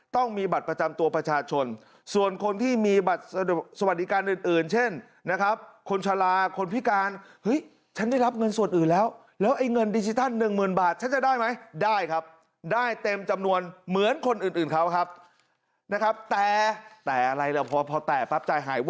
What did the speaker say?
ต้องมีบัตรประจำตัวประชาชนส่วนคนที่มีบัตรสวัสดิการอื่นเช่นนะครับ